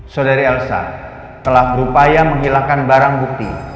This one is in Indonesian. saudari elsa telah berupaya menghilangkan barang bukti